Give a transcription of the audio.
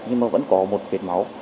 nhưng mà vẫn có một việt máu